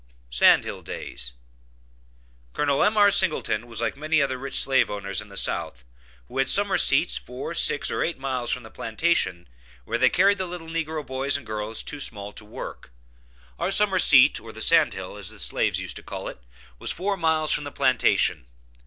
SAND HILL DAYS. Col. M.R. Singleton was like many other rich slave owners in the South, who had summer seats four, six or eight miles from the plantation, where they carried the little negro boys and girls too small to work. Our summer seat, or the sand hill, as the slaves used to call it, was four miles from the plantation.